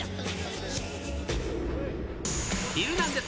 ヒルナンデス！